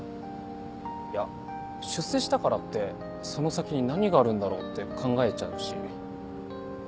いや出世したからってその先に何があるんだろうって考えちゃうし。